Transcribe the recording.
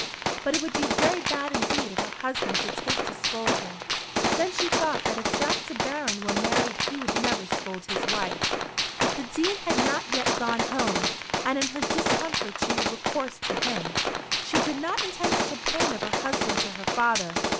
But it would be very bad indeed if her husband should take to scold her. Then she thought that if Jack De Baron were married he would never scold his wife. The Dean had not yet gone home, and in her discomfort she had recourse to him. She did not intend to complain of her husband to her father.